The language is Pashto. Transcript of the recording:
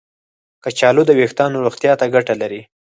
کچالو د ویښتانو روغتیا ته ګټه لري.